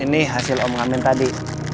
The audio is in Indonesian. ini hasil om ngamen tadi